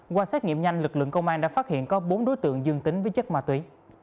qua xét nghiệm nhanh lực lượng công an đã phát hiện có bốn đối tượng dương tính với chất ma túy